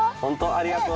ありがとう。